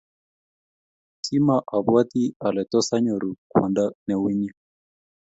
kima obwoti ale tos anyoru kwondo neu inye